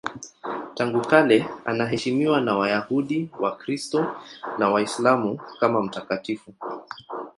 Tangu kale anaheshimiwa na Wayahudi, Wakristo na Waislamu kama mtakatifu.